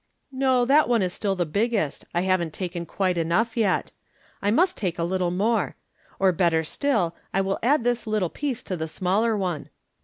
" No, that one is still the biggest, I haven't taken quite enough yet. I must take a little more , or, better still, I will add this little piece to the smaller one."